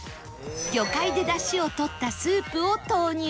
魚介で出汁を取ったスープを投入